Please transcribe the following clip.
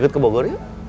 ikut ke bogor yuk